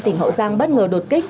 tỉnh hậu giang bất ngờ đột kích